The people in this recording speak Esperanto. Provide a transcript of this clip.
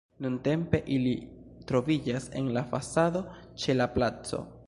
Nuntempe ili troviĝas en la fasado ĉe la placo.